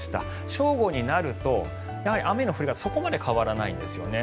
正午になると、やはり雨の降り方そこまで変わらないんですよね。